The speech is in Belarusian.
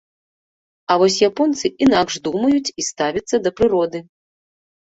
А вось японцы інакш думаюць і ставяцца да прыроды.